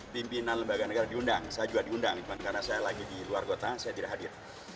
pimpinan lembaga negara diundang saya juga diundang karena saya lagi di luar kota saya tidak hadir